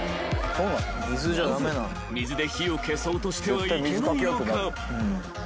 ［なぜ水で火を消そうとしてはいけないのか］